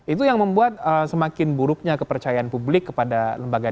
itu yang membuat semakin buruknya kepercayaan publik kepada lembaga